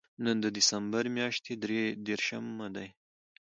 نن د دېسمبر میاشتې درېرشم دی